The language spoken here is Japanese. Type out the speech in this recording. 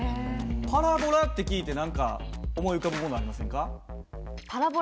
パラボラって聞いて何か思い浮かぶものありませんか？